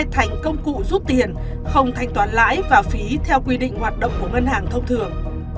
thành công cụ rút tiền không thanh toán lãi và phí theo quy định hoạt động của ngân hàng thông thường